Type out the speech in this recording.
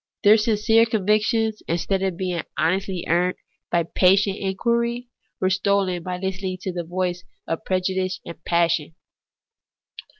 Their sincere convictions, instead of being honestly earned by patient inquiring, were stolen by Hstening to the voice of prejudice and passion.